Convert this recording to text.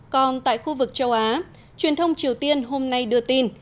còn tại khu vực châu á truyền thông triều tiên hôm nay đưa tin